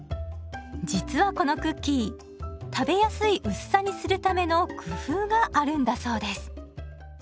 実はこのクッキー食べやすい薄さにするための工夫があるんだそうです。